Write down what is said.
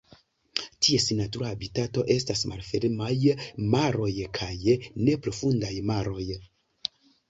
Ties natura habitato estas malfermaj maroj kaj neprofundaj maroj.